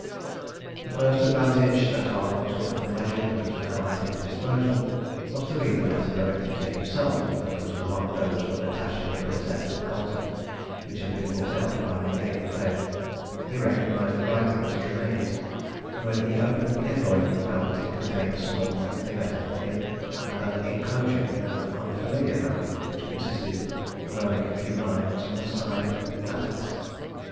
The first advantage that Arnold took of the leisure that was now at his disposal, was to read the letter directed to himself that was among those for Natasha, the Princess, and Colston, which had been brought out by the Avondale. He recognised the writing as Tremayne's, and when he opened the envelope he found that it contained a somewhat lengthy letter from him, and an enclosure in an unfamiliar hand, which consisted of only a few lines, and was signed "Natas."